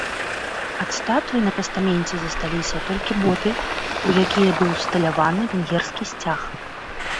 Ад статуі на пастаменце засталіся толькі боты, у якія быў усталяваны венгерскі сцяг.